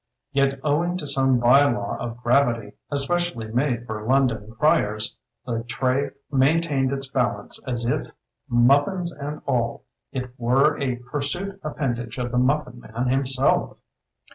Yet owing to some bylaw of gravity especially made for London criers, the tray maintained its balance as if, muf fins and all, it were a hirsute append age of the muffin man himself.